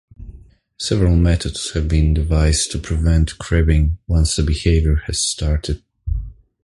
Several methods have been devised to prevent cribbing once the behavior has started.